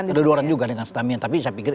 kedodoran juga dengan stamina